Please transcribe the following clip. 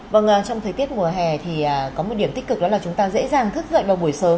vâng trong thời tiết mùa hè thì có một điểm tích cực đó là chúng ta dễ dàng thức dậy vào buổi sớm